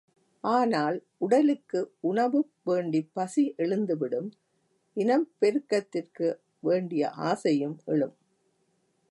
ஆனால், உடலுக்கு உணவு வேண்டிப் பசி எழுந்துவிடும் இனப்பெருக்கத்திற்கு வேண்டிய ஆசையும் எழும்.